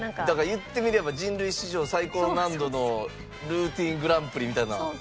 だから言ってみれば人類史上最高難度のルーティングランプリみたいな。